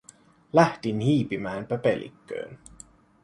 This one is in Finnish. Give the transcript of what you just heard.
Lähdin hiipimään pöpelikköön.